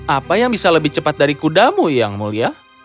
apa yang bisa lebih cepat dari kudamu yang mulia